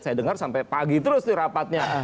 saya dengar sampai pagi terus rapatnya